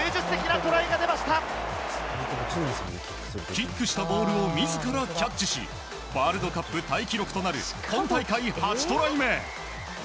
キックしたボールを自らキャッチしワールドカップタイ記録となる今大会８トライ目。